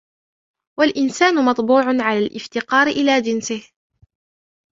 وَالْإِنْسَانُ مَطْبُوعٌ عَلَى الِافْتِقَارِ إلَى جِنْسِهِ